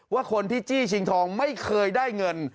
ว่าคนที่จี้ชิงทองไม่เคยได้เงิน